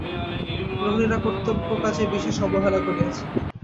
প্রহরীরা কর্তব্য কাজে বিশেষ অবহেলা করিয়াছে।